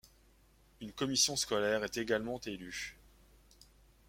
Une commission scolaire est également élue.